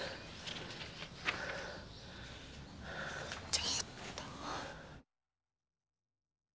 ちょっと。